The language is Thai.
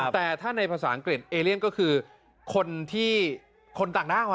แต่ถ้าในภาษาอังกฤษเอเลียนก็คือคนที่คนต่างด้าว